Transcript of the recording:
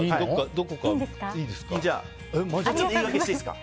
どこかいいんですか。